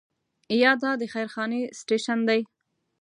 یا دا د خیر خانې سټیشن دی.